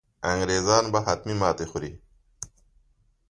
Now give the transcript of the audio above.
انګرېزان به حتمي ماته خوري.